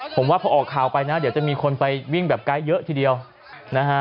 ผมว่าพอออกข่าวไปนะเดี๋ยวจะมีคนไปวิ่งแบบไกด์เยอะทีเดียวนะฮะ